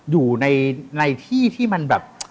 อยู่ในที่ที่มันแบบ